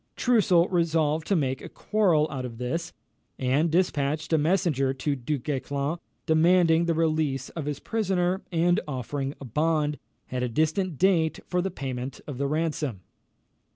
Troussel resolved to make a quarrel out of this, and despatched a messenger to Du Guesclin, demanding the release of his prisoner, and offering a bond, at a distant date, for the payment of the ransom.